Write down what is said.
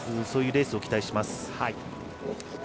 そういうレースを期待します。